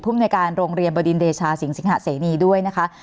คุมในการโรงเรียนเบาติดเดชาสิงหะเสนีด้วยนะคะ